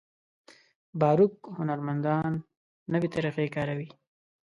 باروک هنرمندانو نوې طریقې کارولې.